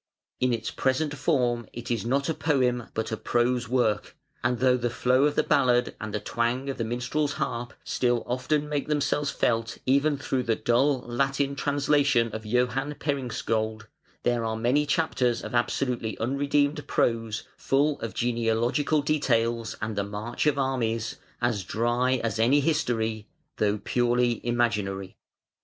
In its present form it is not a poem but a prose work, and though the flow of the ballad and the twang of the minstrel's harp still often make themselves felt even through the dull Latin translation of Johan Peringskiold, there are many chapters of absolutely unredeemed prose, full of genealogical details and the marches of armies, as dry as any history, though purely imaginary.